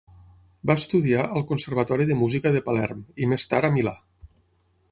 Va estudiar al conservatori de música de Palerm i més tard a Milà.